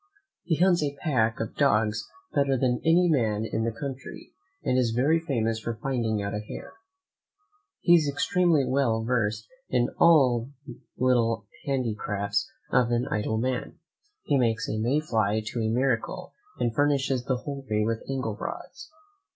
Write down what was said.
He hunts a pack of dogs better than any man in the country, and is very famous for finding out a hare. He is extremely well versed in all the little handicrafts of an idle man: he makes a Mayfly to a miracle; and furnishes the whole country with angle rods.